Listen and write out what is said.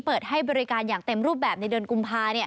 เปิดให้บริการอย่างเต็มรูปแบบในเดือนกุมภา